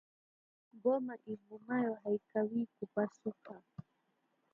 Ngoma ivumayo haikawii kupasuka